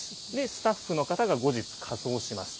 スタッフの方が後日、火葬します。